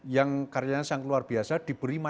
yang karyanya sangat luar biasa diberi